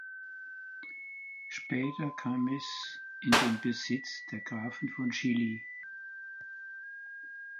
Später kam es in den Besitz der Grafen von Cilli.